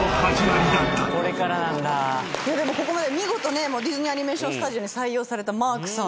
ここまで見事ねディズニー・アニメーション・スタジオに採用されたマークさん。